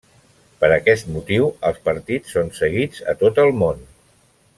Per aquest motiu, els partits són seguits a tot el món.